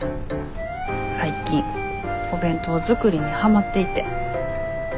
最近お弁当作りにハマっていて。